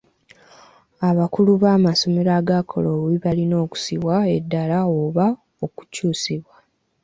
Abakulu b'amasomero agakola obubi balina okussibwa eddaala oba okukyusibwa.